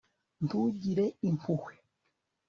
ntugire impuhwe